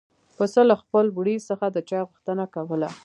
پسه له خپل وړي څخه د چای غوښتنه کوله.